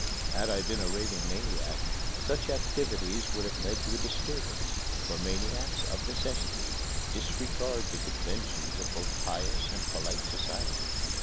Had I been a raving maniac, such activities would have led to a disturbance; for maniacs, of necessity, disregard the conventions of both pious and polite society.